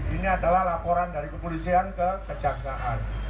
ini adalah laporan dari kepolisian ke kejaksaan